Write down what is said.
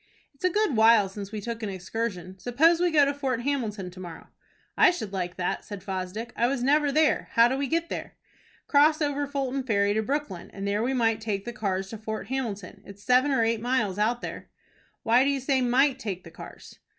"It's a good while since we took an excursion. Suppose we go to Fort Hamilton to morrow." "I should like that," said Fosdick. "I was never there. How do we get there?" "Cross over Fulton Ferry to Brooklyn, and there we might take the cars to Fort Hamilton. It's seven or eight miles out there." "Why do you say 'might' take the cars?"